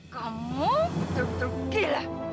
kamu betul betul gila